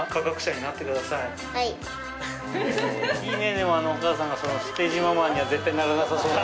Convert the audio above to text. でもお母さんがステージママには絶対ならなさそう。